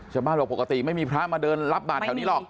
บอกปกติไม่มีพระมาเดินรับบาทแถวนี้หรอก